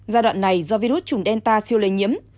giai đoạn này do virus chủng delta siêu lây nhiễm